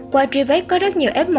qua tri vết có rất nhiều f một